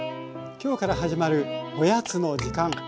今日から始まる「おやつのじかん」。